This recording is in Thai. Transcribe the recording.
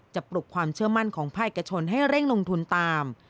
ปลุกความเชื่อมั่นของภาคเอกชนให้เร่งลงทุนตาม